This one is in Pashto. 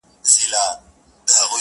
بې دلیله څارنواله څه خفه وي،